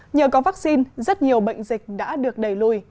nhờ có vắc xin rất nhiều bệnh dịch đã được đẩy lùi